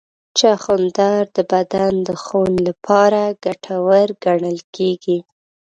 چغندر د بدن د خون لپاره ګټور ګڼل کېږي.